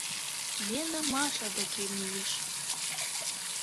— Лена Маша деке мийыш.